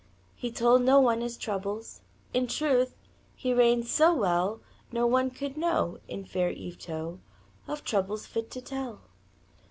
He told no one his troubles In truth, he reigned so well No one could know, in fair Yvetot, Of troubles fit to tell.